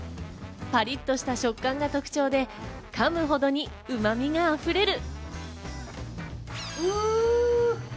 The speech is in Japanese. パリっとした食感が特徴で、噛むほどにうま味が溢れる。